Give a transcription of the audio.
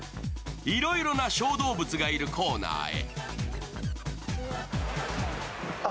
いろいろな小動物がいるコーナーへ。